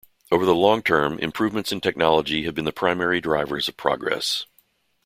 Over the long term, improvements in technology have been the primary drivers of progress.